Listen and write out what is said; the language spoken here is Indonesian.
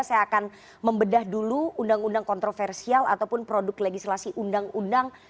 saya akan membedah dulu undang undang kontroversial ataupun produk legislasi undang undang